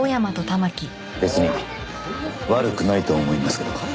別に悪くないと思いますけど。